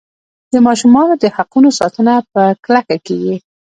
د ماشومانو د حقونو ساتنه په کلکه کیږي.